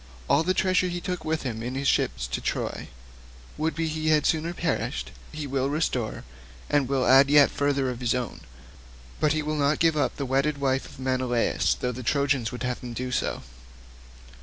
All the treasure he took with him in his ships to Troy—would that he had sooner perished—he will restore, and will add yet further of his own, but he will not give up the wedded wife of Menelaus, though the Trojans would have him do so.